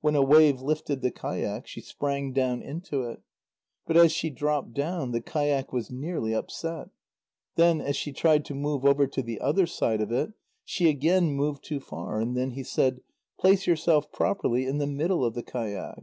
When a wave lifted the kayak, she sprang down into it. But as she dropped down, the kayak was nearly upset. Then, as she tried to move over to the other side of it, she again moved too far, and then he said: "Place yourself properly in the middle of the kayak."